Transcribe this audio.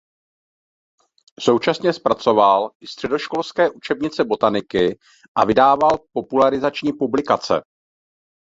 Současně zpracoval i středoškolské učebnice botaniky a vydával popularizační publikace.